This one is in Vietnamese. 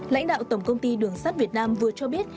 lãnh đạo tổng công ty đường sắt việt nam vừa cho biết